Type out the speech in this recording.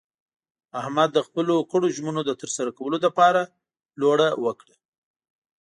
احمد د خپلو کړو ژمنو د ترسره کولو لپاره لوړه وکړله.